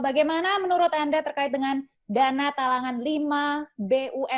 bagaimana menurut anda terkait dengan dana talangan lima bumn